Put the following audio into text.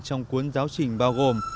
trong cuốn giáo trình bao gồm